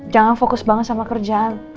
jangan fokus banget sama kerjaan